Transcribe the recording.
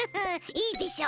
いいでしょ？